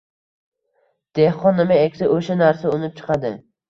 Dehqon nima eksa, o‘sha narsa unib chiqadi.